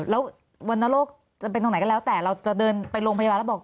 แล้ววรรณโรคจะเป็นตรงไหนก็แล้วแต่เราจะเดินไปโรงพยาบาลแล้วบอก